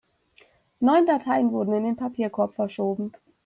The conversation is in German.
Neun Dateien wurden in den Papierkorb verschoben.